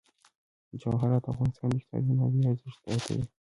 جواهرات د افغانستان د اقتصادي منابعو ارزښت زیاتوي.